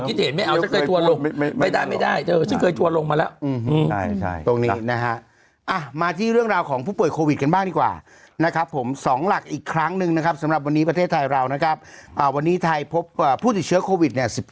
นี้อ่ะมาที่เรื่องราวของผู้ป่วยโครวิดเป็นบ้านดีกว่านะครับผมสองหลักอีกครั้งหนึ่งนะครับที่ประเทศไทยเรานะครับอ่าวันนี้ไทยพบผู้ติดเชื้อโควิดนะ๑๙